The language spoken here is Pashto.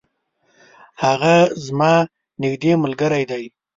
هغه زما نیږدي ملګری دی.